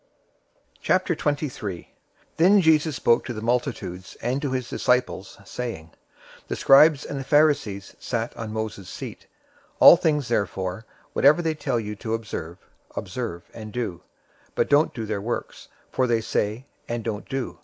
023:001 Then Jesus spoke to the multitudes and to his disciples, 023:002 saying, "The scribes and the Pharisees sat on Moses' seat. 023:003 All things therefore whatever they tell you to observe, observe and do, but don't do their works; for they say, and don't do.